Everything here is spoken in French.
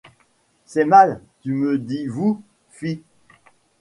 C'est mal, tu me dis vous ! fi !